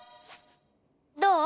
どう？